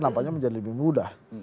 nampaknya menjadi lebih mudah